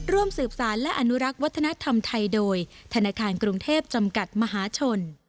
ร่วมสืบสารและอนุรักษ์วัฒนธรรมไทยโดยธนาคารกรุงเทพจำกัดมหาชน